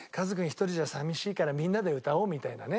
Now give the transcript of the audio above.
一人じゃ寂しいからみんなで歌おうみたいなね